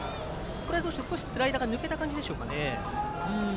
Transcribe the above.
これはスライダーが抜けた感じでしょうか。